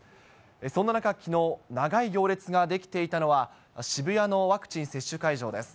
そんな中きのう、長い行列が出来ていたのは、渋谷のワクチン接種会場です。